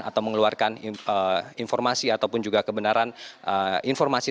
atau mengeluarkan informasi ataupun juga kebenaran informasi